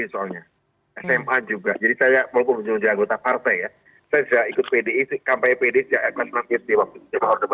soalnya sma juga jadi saya mempunyai anggota partai ya saya ikut pdi kampanye